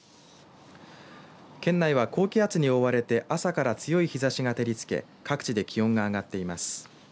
県内は高気圧に覆われて朝から強い日ざしが照りつけ各地で気温が上がっています。